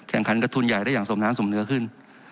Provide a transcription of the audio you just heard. แข่งขันกระทุนใหญ่ได้อย่างสมน้ำสมเนื้อขึ้น